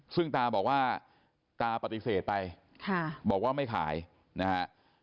ซึ่งตาบอกว่าตาปฏิเสธไปบอกว่าไม่ขายนะฮะ